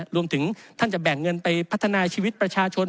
รวมถึงท่านจะแบ่งเงินไปพัฒนาชีวิตประชาชน